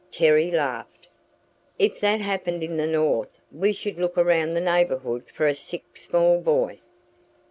Terry laughed. "If that happened in the North we should look around the neighborhood for a sick small boy."